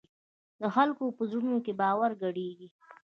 د خلکو په زړونو کې باور ګډېږي.